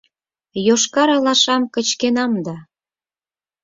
Йошкар алашам кычкенам да